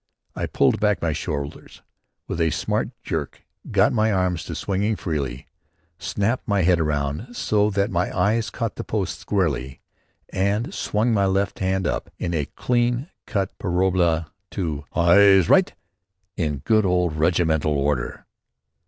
I pulled back my shoulders with a smart jerk, got my arms to swinging freely, snapped my head round so that my eyes caught the post squarely and swung my left hand up in a clean cut parabola to "Eyes right," in good old regimental order.